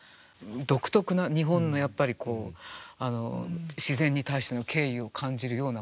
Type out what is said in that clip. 独特な日本のやっぱり自然に対しての敬意を感じるような言葉だなと思います。